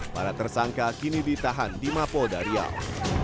para tersangka kini ditahan di mapo dariau